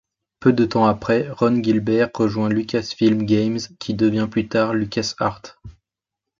Peu de temps après, Ron Gilbert rejoint Lucasfilm Games, qui devient plus tard LucasArts.